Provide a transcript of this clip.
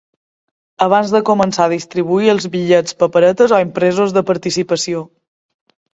Abans de començar a distribuir els bitllets, paperetes o impresos de participació.